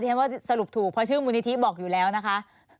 ฉันว่าสรุปถูกเพราะชื่อมูลนิธิบอกอยู่แล้วนะคะ